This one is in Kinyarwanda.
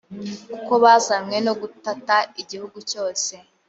kuko bazanywe no gutata igihugu cyose.